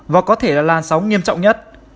và có thể là làn sóng nghiêm trọng nhất